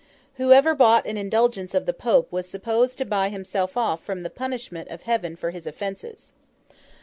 Whoever bought an Indulgence of the Pope was supposed to buy himself off from the punishment of Heaven for his offences.